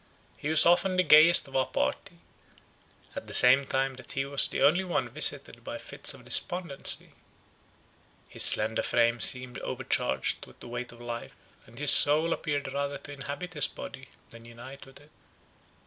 He was often the gayest of our party, at the same time that he was the only one visited by fits of despondency; his slender frame seemed overcharged with the weight of life, and his soul appeared rather to inhabit his body than unite with it.